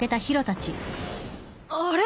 あれ？